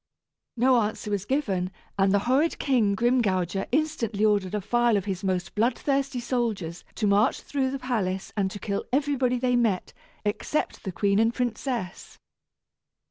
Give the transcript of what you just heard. No answer was given, and the horrid King Grimgouger instantly ordered a file of his most blood thirsty soldiers to march through the palace and to kill everybody they met, except the queen and princess.